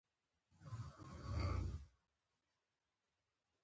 هند اوس غله صادروي.